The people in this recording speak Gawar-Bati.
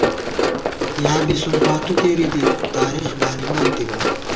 یا بی سُمپاتُو کېری دِت ، تارېخ بالِمانتِبا